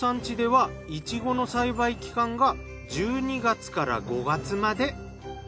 家ではイチゴの栽培期間が１２月から５月まで。